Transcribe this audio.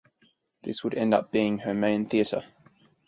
This would end up being her main theatre.